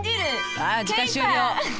あ時間終了。